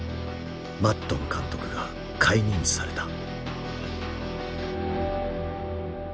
マッドン監督が解任された。